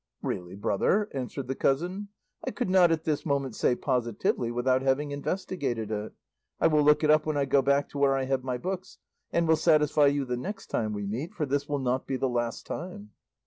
"Really, brother," answered the cousin, "I could not at this moment say positively without having investigated it; I will look it up when I go back to where I have my books, and will satisfy you the next time we meet, for this will not be the last time."